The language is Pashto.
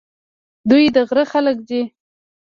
دوی د غره خلک دي.